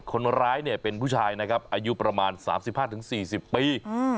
คนร้ายเป็นผู้ชายอายุประมาณ๓๕๔๐ปี